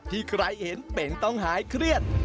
ใครเห็นเป็นต้องหายเครียด